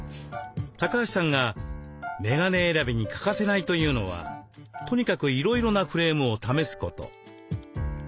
橋さんがメガネ選びに欠かせないというのはとにかくいろいろなフレームを試すこと。